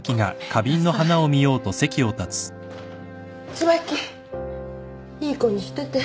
椿いい子にしてて。